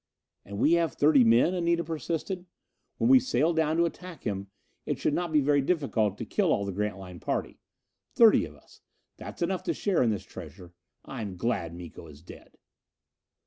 "And we have thirty men?" Anita persisted. "When we sail down to attack him it should not be very difficult to kill all the Grantline party. Thirty of us that's enough to share in this treasure. I'm glad Miko is dead."